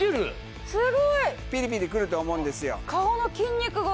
ピリピリくると思うんですよ。